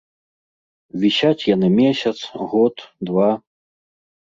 Вісяць яны месяц, год, два.